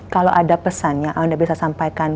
kalau ada pesan yang anda bisa sampaikan